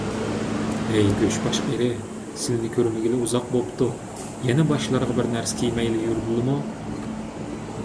ھەي گۆشباش قېرى، سىلىنى كۆرمىگىلى ئۇزاق بوپتۇ. يەنە باشلىرىغا بىرنەرسە كىيمەيلا يۈردىلىمۇ؟